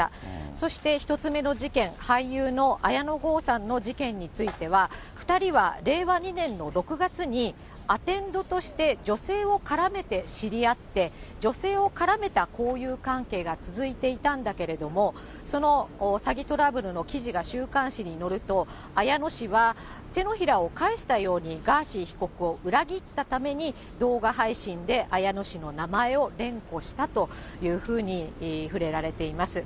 そして、１つ目の事件、俳優の綾野剛さんの事件については、２人は令和２年の６月に、アテンドとして女性を絡めて知り合って、女性を絡めた交友関係が続いていたんだけれども、その詐欺トラブルの記事が週刊誌に載ると、綾野氏は手のひらを返したようにガーシー被告を裏切ったために、動画配信で綾野氏の名前を連呼したというふうに触れられています。